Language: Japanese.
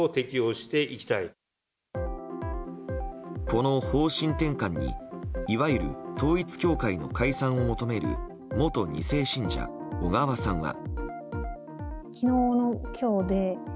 この方針転換にいわゆる統一教会の解散を求める元２世信者、小川さんは。